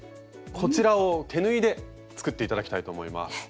こちらを手縫いで作っていただきたいと思います。